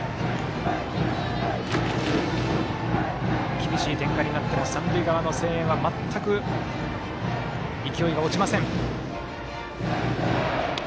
厳しい展開になっても三塁側の声援は全く勢いが落ちません。